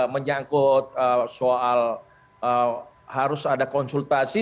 menyangkut soal harus ada konsultasi